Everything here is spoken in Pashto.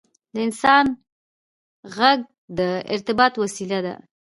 • د انسان ږغ د ارتباط وسیله ده.